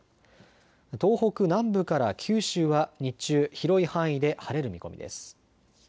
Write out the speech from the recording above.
東北南部から九州は日中、広い範囲で晴れる見込みです。